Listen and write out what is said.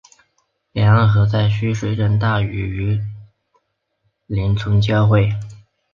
两河在须水镇大榆林村交汇。